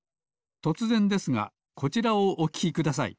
とつぜんですがこちらをおききください。